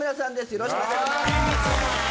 よろしくお願いします